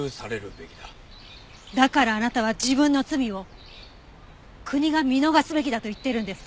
だからあなたは自分の罪を国が見逃すべきだと言ってるんですか？